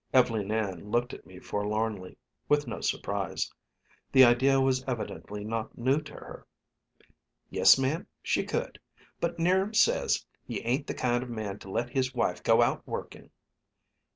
Ev'leen Ann looked at me forlornly, with no surprise. The idea was evidently not new to her. "Yes, ma'am, she could. But 'Niram says he ain't the kind of man to let his wife go out working."